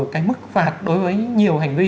cái mức phạt đối với nhiều hành vi